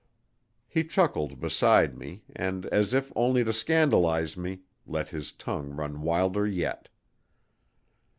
He chuckled beside me and, as if only to scandalize me, let his tongue run wilder yet.